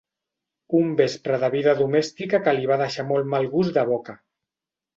Un vespre de vida domèstica que li va deixar molt mal gust de boca.